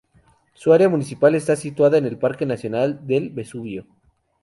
Su área municipal está situada en el Parque Nacional del Vesubio.